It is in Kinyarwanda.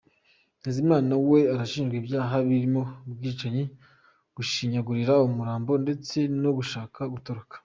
Ntezimana we arashinjwa ibyaha birimo ubwicanyi, gushinyagurira umurambo ndetse no gushaka gutoroka.